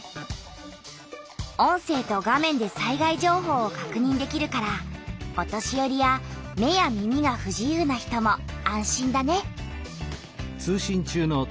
音声と画面で災害情報をかくにんできるからお年よりや目や耳がふ自由な人も安心だね。